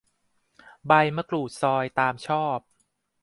ใบมะกรูดซอย ตามชอบ